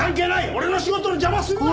俺の仕事の邪魔するな！